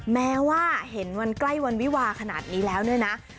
แม้ว่าเห็นวันใกล้วันวิวาขนาดนี้แล้วเนี่ยนะ